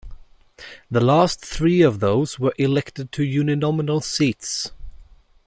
The last three of those were elected to uninominal seats.